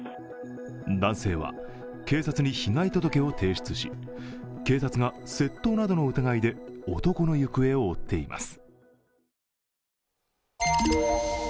男性は警察に被害届を提出し警察が、窃盗などの疑いで男の行方を追っています。